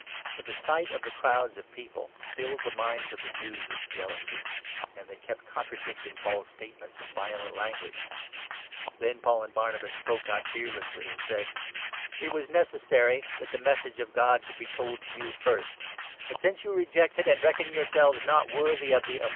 But the sight of the crowds of people 45 filled the minds of the Jews with jealousy, and they kept con tradicting Paul's statements in violent language. Then Paul 46 and Barnabas spoke out fearlessly, and said :" It was necessary that the Message of God should be told to you first ; but, since you reject it and reckon yourselves not worthy of the Immortal Life — we turn to the Gentiles